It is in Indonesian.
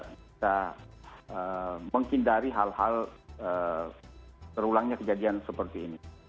kita menghindari hal hal terulangnya kejadian seperti ini